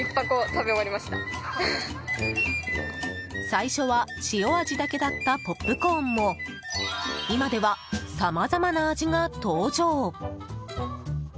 最初は塩味だけだったポップコーンも今では、さまざまな味が登場。